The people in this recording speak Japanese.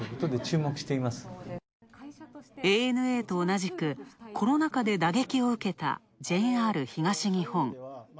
ＡＮＡと同じく、コロナ禍で打撃を受けたＪＲ東日本。